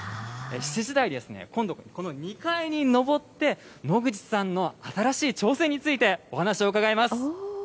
７時台、今度この２階に上って、農口さんの新しい挑戦についてお話を伺います。